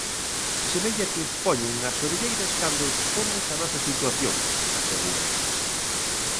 Semella que poñen as orelleiras cando expomos a nosa situación, asegura.